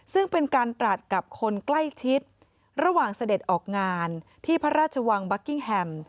ซึ่งเป็นการตรัสกับคนใกล้ชิดระหว่างเสด็จออกงานที่พระราชวังบัคกิ้งแฮม